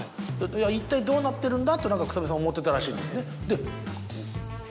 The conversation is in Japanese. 一体どうなってるんだって草笛さん思ってたらしいですね。